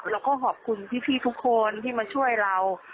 แล้วก็ขอบคุณพี่ทุกคนที่มาช่วยเรา